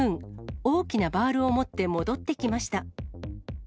大きなバールを持って戻ってきました。